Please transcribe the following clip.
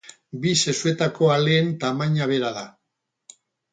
Bi sexuetako aleen tamaina bera da.